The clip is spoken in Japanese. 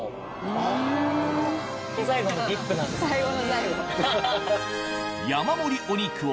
最後の最後。